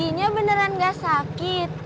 gigi nya beneran gak sakit